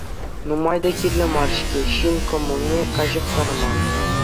Нумай та кирлӗ мар-ҫке ҫын кӑмӑлне каҫӑхтарма!